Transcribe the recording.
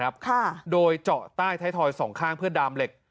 รับการรักษาครับค่ะโดยเจาะใต้ไทยทอยสองข้างเพื่อนดามเหล็ก